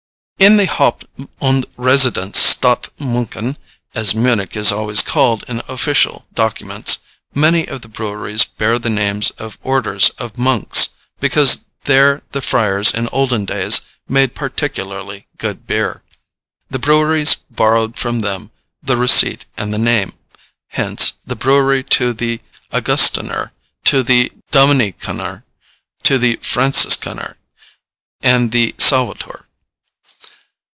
In the Haupt und Residenz Stadt München, as Munich is always called in official documents, many of the breweries bear the names of orders of monks, because there the friars in olden days made particularly good beer. The breweries borrowed from them the receipt and the name. Hence the brewery to the Augustiner, to the Dominikaner, to the Franciskaner, and the Salvator.